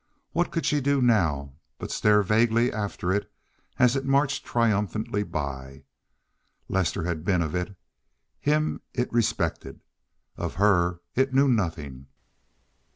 What could she do now but stare vaguely after it as it marched triumphantly by? Lester had been of it. Him it respected. Of her it knew nothing.